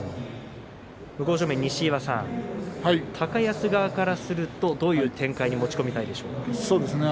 向正面、西岩さん高安側からするとどういう展開に持ち込みたいですか。